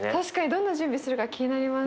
どんな準備するか気になります。